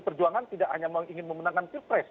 perjuangan tidak hanya ingin memenangkan pilpres